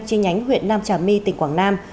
trên nhánh huyện nam trà my tỉnh quảng nam